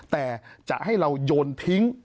แต่จะให้เราโยนทิ้ง